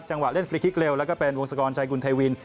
จังหวะเล่นฟรีคิกเร็วและก็เป็นวงศักรณ์ชายกุลไทยวินทร์